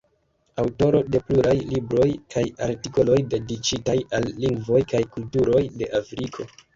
Aŭtoro de pluraj libroj kaj artikoloj dediĉitaj al lingvoj kaj kulturoj de Afriko.